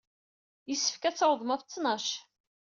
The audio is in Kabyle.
Yessefk ad tawḍem ɣef ttnac.